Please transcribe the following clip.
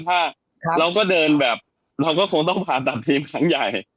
เราก็เดินแบบเราก็คงต้องผ่าตัดทีมครั้งใหญ่